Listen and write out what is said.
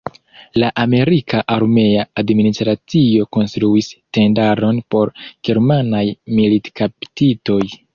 La amerika armea administracio konstruis tendaron por germanaj militkaptitoj.